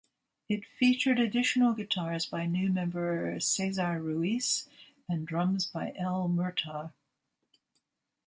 It featured additional guitars by new member Cesar Ruiz and drums by Elle Murtagh.